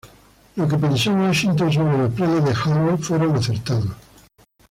Lo que pensó Washington sobre los planes de Howe fueron acertados.